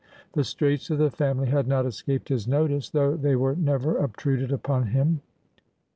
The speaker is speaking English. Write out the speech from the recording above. The straits of the family had not escaped his notice, though they were never obtruded upon him.